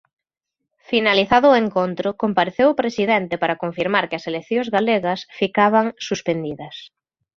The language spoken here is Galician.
Finalizado o encontro, compareceu o presidente para confirmar que as eleccións galegas ficaban suspendidas.